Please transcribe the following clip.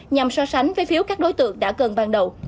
nhằm so sánh với phiếu các đối tượng đã gần ban đầu